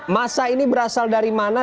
masa ini berasal dari mana